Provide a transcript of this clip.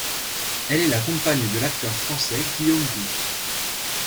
Elle est la compagne de l'acteur français Guillaume Gouix.